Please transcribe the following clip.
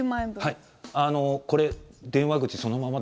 これ、電話口そのまま